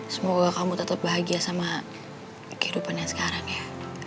semoga kamu tetep bahagia sama kehidupan yang sekarang ya